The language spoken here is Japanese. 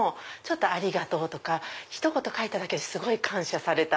「ありがとう」とか書いただけですごい感謝された！